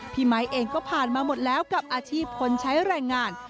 ไมค์เองก็ผ่านมาหมดแล้วกับอาชีพคนใช้แรงงาน